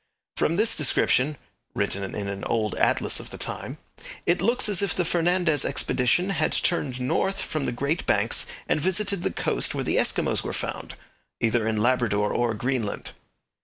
From this description (written in an old atlas of the time), it looks as if the Fernandez expedition had turned north from the Great Banks and visited the coast where the Eskimos were found, either in Labrador or Greenland.